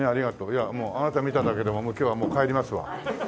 いやもうあなた見ただけで今日はもう帰りますわ。